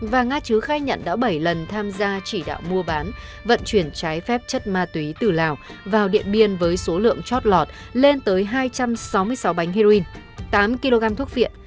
và nga chứ khai nhận đã bảy lần tham gia chỉ đạo mua bán vận chuyển trái phép chất ma túy từ lào vào điện biên với số lượng chót lọt lên tới hai trăm sáu mươi sáu bánh heroin tám kg thuốc viện